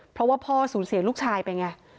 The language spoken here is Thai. เพราะว่าพ่อสูญเสียลูกชายไปไง